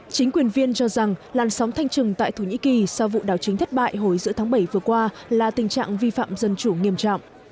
chính quyền viên cho rằng làn sóng thanh trừng tại thổ nhĩ kỳ sau vụ đảo chính thất bại hồi giữa tháng bảy vừa qua là tình trạng vi phạm dân chủ nghiêm trọng